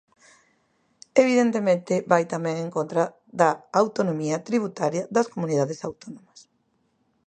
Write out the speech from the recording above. Evidentemente, vai tamén en contra da autonomía tributaria das comunidades autónomas.